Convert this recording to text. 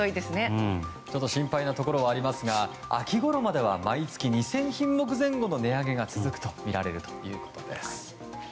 心配なところはありますが秋ごろまでは毎月２０００品目前後の値上げが続くとみられるということです。